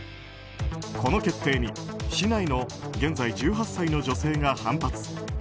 この決定に市内の現在１８歳の女性が反発。